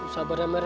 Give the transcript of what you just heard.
sabar ya mer